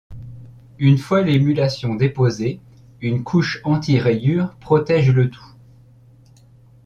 Une fois l'émulsion déposée, une couche anti-rayures protège le tout.